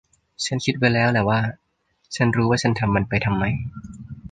ฉันคิดไว้แล้วแหละว่า ฉันรู้ว่าฉันทำมันไปทำไม